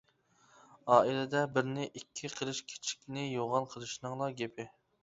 ئائىلىدە بىرنى ئىككى قىلىش، كىچىكنى يوغان قىلىشنىڭلا گېپى.